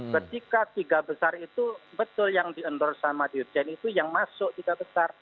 ketika tiga besar itu betul yang di endorse sama dirjen itu yang masuk tiga besar